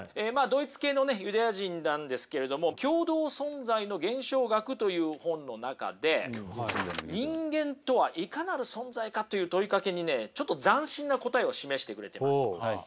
ドイツ系のユダヤ人なんですけれども「共同存在の現象学」という本の中で人間とはいかなる存在かという問いかけにねちょっと斬新な答えを示してくれてます。